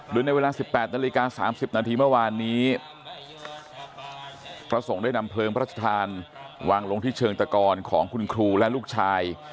โดยในเวลา๑๘นาฬิกา๓๐นาทีเมื่อวานนี้พระสงฆ์ได้นำเพลิงพระราชทานวางลงที่เชิงตะกอนของคุณครูและลูกชาย